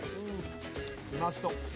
うまそう。